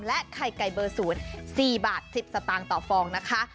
ไข่ไก่เบอร์๐๔บาท๑๐สตางค์ต่อฟองนะคะ